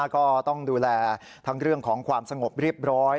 ก็ต้องดูแลทั้งเรื่องของความสงบเรียบร้อย